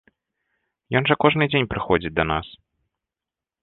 Ён жа кожны дзень прыходзіць да нас.